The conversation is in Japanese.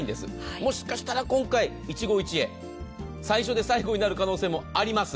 もしかしたら今回、一期一会最初で最後になる可能性もあります。